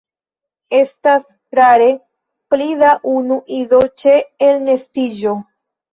Estas rare pli da unu ido ĉe elnestiĝo.